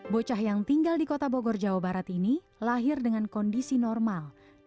bocah yang tinggal di kota bogor jawa barat ini lahir dengan kondisi normal